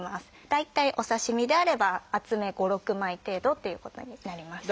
大体お刺身であれば厚め５６枚程度っていうことになります。